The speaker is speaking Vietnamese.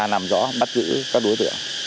làm rõ bắt giữ các đối tượng